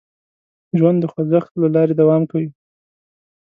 ژوند د خوځښت له لارې دوام کوي.